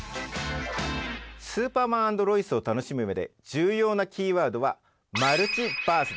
「スーパーマン＆ロイス」を楽しむ上で重要なキーワードはマルチバースです。